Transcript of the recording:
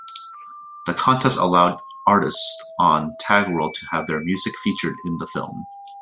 The contest allowed artists on TagWorld to have their music featured in the film.